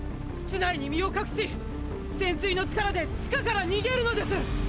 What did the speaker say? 室内に身を隠し「戦鎚」の力で地下から逃げるのです！！